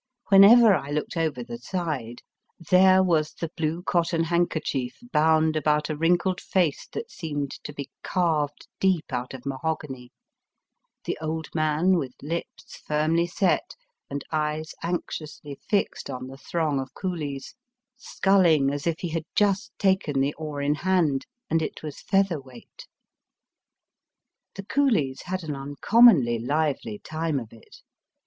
Whenever I looked over the side, there was the blue cotton handkerchief bound about a wrinkled face that seemed to be Digitized by VjOOQIC SOME JAPANESE TBAITS. 187 carved deep out of mahogany, the old man, with lips firmly set and eyes anxiously fixed on the throng of coolies, sculling as if he hacl just taken the oar in hand, and it was feather weight. The coolies had an uncommonly lively time of it.